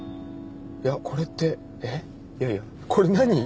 いやこれってえっいやいやこれ何？